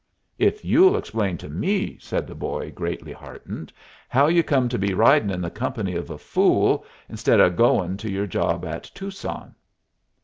"If you'll explain to me," said the boy, greatly heartened, "how you come to be ridin' in the company of a fool, instead of goin' to your job at Tucson."